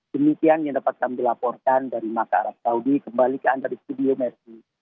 demikian yang dapat kami laporkan dari masa arab saudi kembali ke anda di studio messi